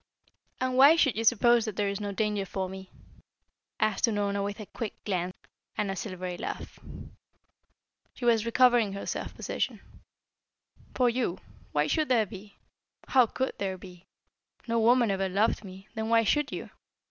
"And why should you suppose that there is no danger for me?" asked Unorna, with a quick glance and a silvery laugh. She was recovering her self possession. "For you? Why should there be? How could there be? No woman ever loved me, then why should you?